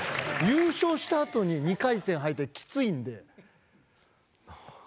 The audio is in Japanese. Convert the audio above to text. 優勝したあとに２回戦敗退きついんで。